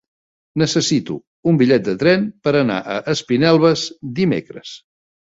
Necessito un bitllet de tren per anar a Espinelves dimecres.